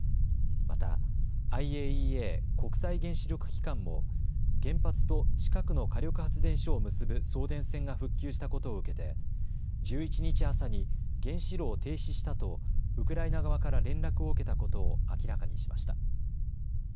またＩＡＥＡ・国際原子力機関も原発と近くの火力発電所を結ぶ送電線が復旧したことを受けて１１日朝に原子炉を停止したとウクライナ側から連絡を受けたことを明らかにしました。